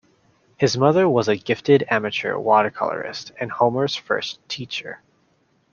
His mother was a gifted amateur watercolorist and Homer's first teacher.